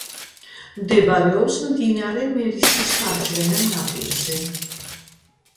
მდებარეობს მდინარე მერისის მარჯვენა ნაპირზე.